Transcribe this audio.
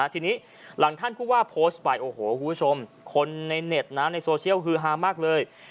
ทีนี้หลังท่านผู้ว่าโพสต์ไปโอ้โหคุณผู้ชมคนในเน็ตในโซเชียลฮือฮามากเลย